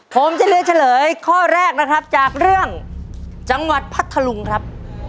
ผมจะเลือกเฉลยข้อแรกนะครับจากเรื่องจังหวัดพัทธลุงครับ